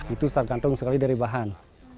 itu tergantung sekali dari bahan